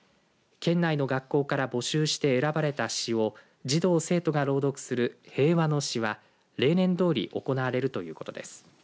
県内の学校から募集して選ばれた詩を児童、生徒が朗読する平和の詩は例年どおり行われるということです。